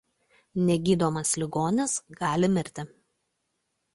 Negydomas ligonis gali mirti.